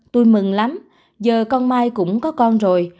tôi mừng lắm giờ con mai cũng có con rồi